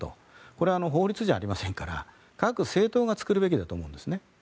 これは法律じゃありませんから各政党が作るべきだと思うんです。